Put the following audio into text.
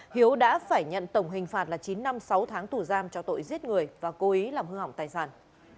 hiếu đã phải nhận tổng hình phạt là chín năm sáu tháng tù giam cho tội giết người và cố ý làm hư hỏng tài sản